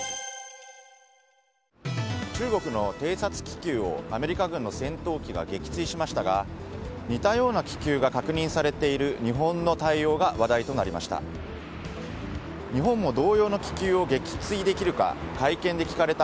中国の偵察気球をアメリカ軍の戦闘機が撃墜しましたが似たような気球が確認されている日本の対応が話題となりました。